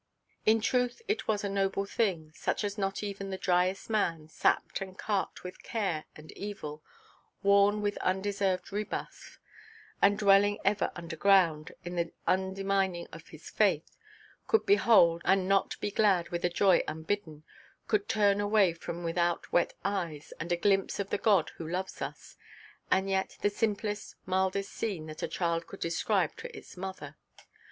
In truth it was a noble thing, such as not even the driest man, sapped and carked with care and evil, worn with undeserved rebuff, and dwelling ever underground, in the undermining of his faith, could behold and not be glad with a joy unbidden, could turn away from without wet eyes, and a glimpse of the God who loves us,—and yet the simplest, mildest scene that a child could describe to its mother.